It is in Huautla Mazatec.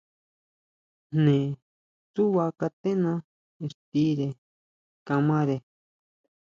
Jne tsúʼba katena ixtire kamare.